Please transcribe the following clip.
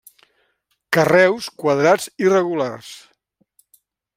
Carreus quadrats irregulars.